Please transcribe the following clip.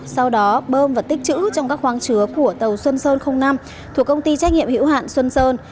sau đó bơm và tích chữ trong các khoáng chứa của tàu xuân sơn năm thuộc công ty trách nhiệm hữu hạn xuân sơn